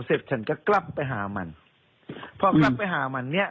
เสร็จฉันก็กลับไปหามันพอกลับไปหามันเนี้ย